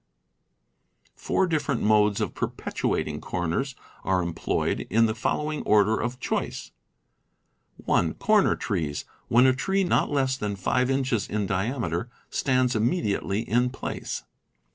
Four different modes of perpetuating corners are employed, in the following order of choice: (1) Corner trees, when a tree not less than five inches in diameter stands immediately in place.